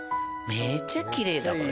めっちゃきれいだこれ。